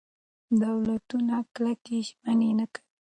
دولتونه کلکې ژمنې نه کوي.